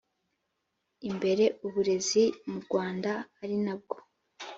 imbere uburezi mu rwanda ari nabwo